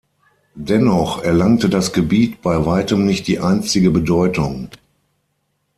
Dennoch erlangte das Gebiet bei weitem nicht die einstige Bedeutung.